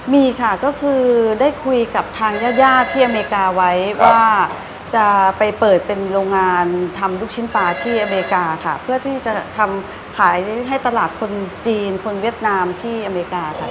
มีค่ะก็คือได้คุยกับทางญาติญาติที่อเมริกาไว้ว่าจะไปเปิดเป็นโรงงานทำลูกชิ้นปลาที่อเมริกาค่ะเพื่อที่จะทำขายให้ตลาดคนจีนคนเวียดนามที่อเมริกาค่ะ